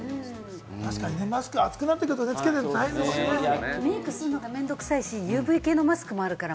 確かにマスク、暑くなってくるとつけてるの大変ですもんね。